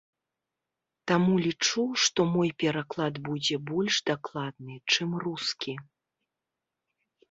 Таму лічу, што мой пераклад будзе больш дакладны, чым рускі.